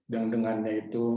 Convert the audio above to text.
dan dengan yaitu